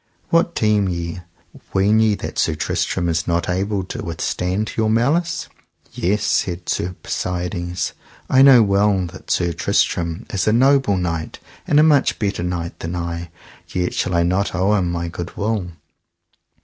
What deem ye, ween ye that Sir Tristram is not able to withstand your malice? Yes, said Sir Persides, I know well that Sir Tristram is a noble knight and a much better knight than I, yet shall I not owe him my good will.